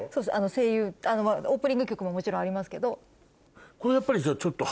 声優オープニング曲ももちろんありますけど。